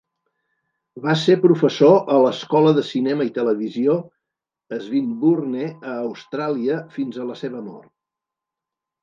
Va ser professor a l"escola de cinema i televisió Swinburne a Austràlia fins a la seva mort.